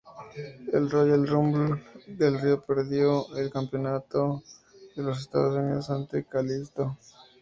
En Royal Rumble, Del Río perdió el Campeonato de los Estados Unidos ante Kalisto.